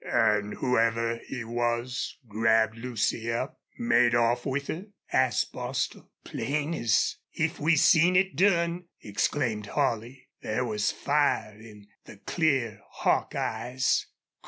"An' whoever he was grabbed Lucy up made off with her?" asked Bostil. "Plain as if we seen it done!" exclaimed Holley. There was fire in the clear, hawk eyes.